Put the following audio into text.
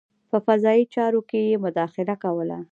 په قضايي چارو کې یې مداخله کوله.